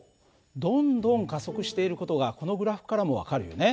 どんどん加速している事がこのグラフからも分かるよね。